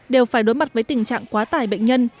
đều phải đối mặt với tình trạng quá tải bệnh nhân